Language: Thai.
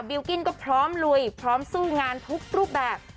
บิลกิ้นก็พร้อมลุยพร้อมซื้องานทุกแบบ